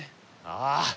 ああ。